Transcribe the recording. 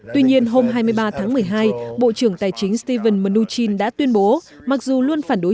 tuy nhiên hôm hai mươi ba tháng một mươi hai bộ trưởng tài chính stephen mnuchin đã tuyên bố mặc dù luôn phản đối